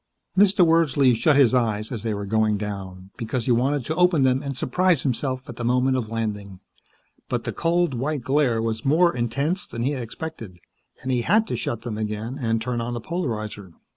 Mr. Wordsley shut his eyes as they were going down, because he wanted to open them and surprise himself, at the moment of landing. But the cold, white glare was more intense than he had expected, and he had to shut them again and turn on the polarizer.